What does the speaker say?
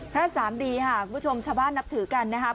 พระสามดีค่ะคุณผู้ชมชาวบ้านนับถือกันนะครับ